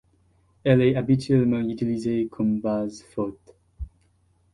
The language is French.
Elle est habituellement utilisée comme base forte.